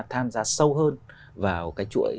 tham gia sâu hơn vào cái chuỗi